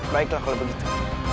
baiklah kalau begitu